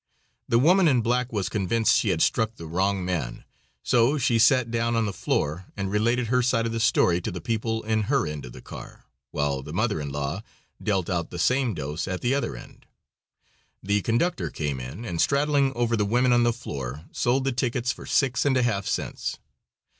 The woman in black was convinced she had struck the wrong man, so she sat down on the floor and related her side of the story to the people in her end of the car, while the mother in law dealt out the same dose at the other end. The conductor came in, and, straddling over the women on the floor, sold the tickets for six and a half cents.